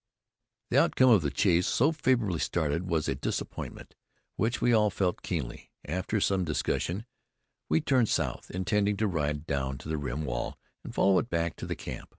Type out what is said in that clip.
The outcome of the chase, so favorably started was a disappointment, which we all felt keenly. After some discussion, we turned south, intending to ride down to the rim wall and follow it back to camp.